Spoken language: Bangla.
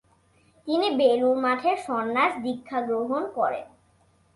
তিনি বেলুড় মঠে সন্ন্যাস-দীক্ষাগ্রহণ করেন।